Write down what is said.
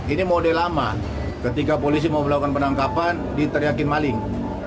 ini model lama ketika polisi mau melakukan penangkapan diteriakin maling